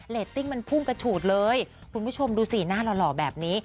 ตติ้งมันพุ่งกระฉูดเลยคุณผู้ชมดูสิหน้าหล่อแบบนี้